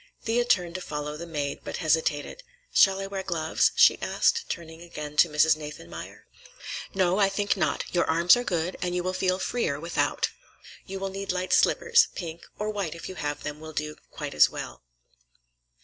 Thea turned to follow the maid, but hesitated. "Shall I wear gloves?" she asked, turning again to Mrs. Nathanmeyer. "No, I think not. Your arms are good, and you will feel freer without. You will need light slippers, pink—or white, if you have them, will do quite as well."